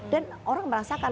dan orang merasakan